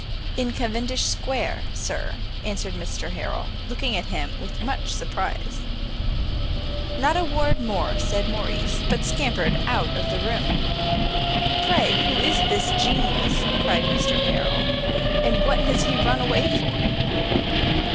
"In Cavendish Square, sir," answered Mr Harrel, looking at him with much surprise. Not a word more said Morrice, but scampered out of the room. "Pray who is this Genius?" cried Mr Harrel, "and what has he run away for?"